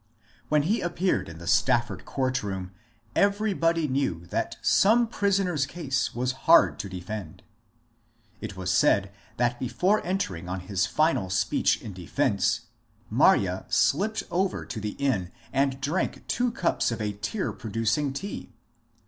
When he appeared in the Stafford court room every body knew that some prisoner's case was hard to defend. It was said that before entering on his final speech in defence, Marye slipped over to the inn and drank two cups of a tear producing tea.